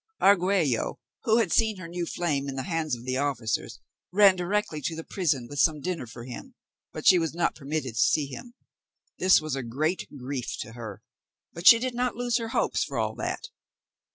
Argüello, who had seen her new flame in the hands of the officers, ran directly to the prison with some dinner for him; but she was not permitted to see him. This was a great grief to her, but she did not lose her hopes for all that.